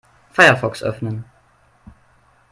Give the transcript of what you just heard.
Firefox öffnen.